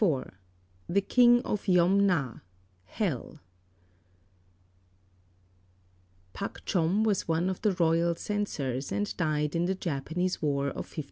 XXXIV THE KING OF YOM NA (HELL) [Pak Chom was one of the Royal Censors, and died in the Japanese War of 1592.